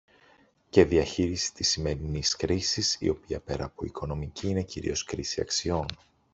και διαχείρισης της σημερινής κρίσης, η οποία πέρα από οικονομική είναι κυρίως κρίση αξιών.